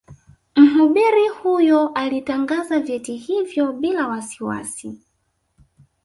Mhubiri huyo alitangaza vyeti hivyo bila wasiwasi